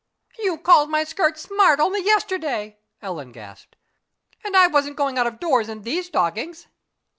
"You called my skirt smart only yesterday," Ellen gasped, "and I wasn't going out of doors in these stockings."